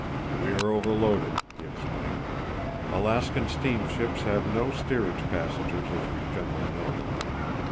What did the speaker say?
"We are overloaded," he explained. "Alaskan steam ships have no steerage passengers as we generally know them.